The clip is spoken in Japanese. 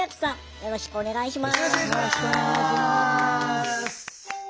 よろしくお願いします。